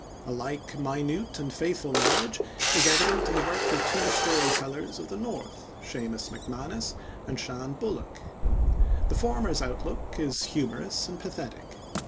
A like minute and faithful knowledge is evident in the work of two story tellers of the north, Seumas MacManus and Shan Bullock. The former's outlook is humorous and pathetic.